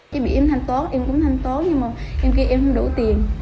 chị bị em thanh tốt em cũng thanh tốt nhưng mà em kêu em không đủ tiền